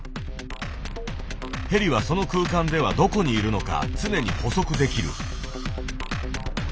ヘリはその空間ではどこにいるのか常に捕捉できる。